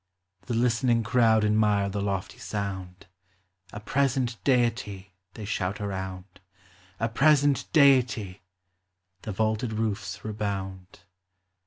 The listening crowd admire the lofty sound, A present deity ! they shout around ; A present deity ! the vaulted roofs rebound.